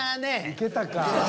いけたか。